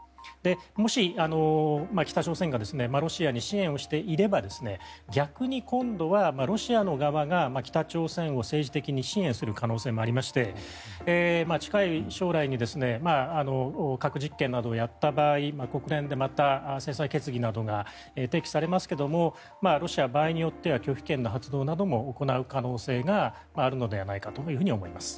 もし北朝鮮がロシアに支援していれば逆に今度はロシアの側が北朝鮮を政治的に支援する可能性もありまして近い将来に核実験などをやった場合国連でまた制裁決議などが提起されますがロシアは場合によっては拒否権の発動なども行う可能性があるのではないかと思います。